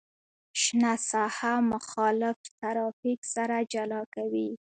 شنه ساحه مخالف ترافیک سره جلا کوي